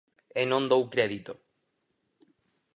E non dou crédito.